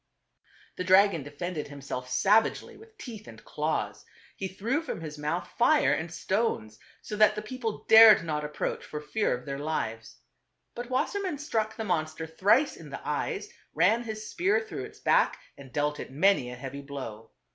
The dragon defended himself savagely with teeth and claws ; he threw from his mouth fire and stones, so that the people dared not approach for fear of their lives. But Wassermann struck the monster thrice in the eyes, ran his spear through its back and dealt it many a heavy blow.